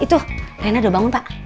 itu lainnya udah bangun pak